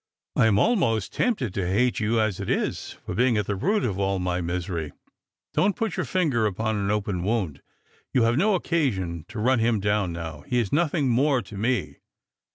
I am almost tempted to hate you as it is, for being at the root of all my misery. Don't put your finger upon an open wound. You have no occasion to run him down now; he is nothing more to me.